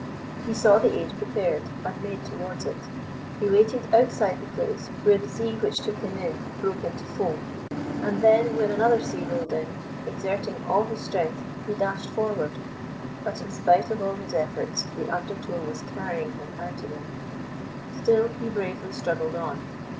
He saw the aid prepared, and made towards it. He waited outside the place where the sea which took him in broke into foam, and then, when another sea rolled in, exerting all his strength he dashed forward; but in spite of all his efforts, the undertow was carrying him out again; still he bravely struggled on.